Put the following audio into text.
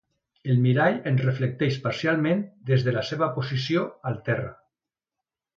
El mirall em reflecteix parcialment des de la seva posició al terra.